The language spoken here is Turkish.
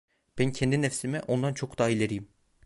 Ben kendi nefsime ondan çok daha ileriyim…